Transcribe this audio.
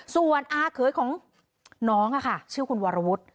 ส่วนอาเขยของน้องค่ะชื่อคุณวรวุฒิ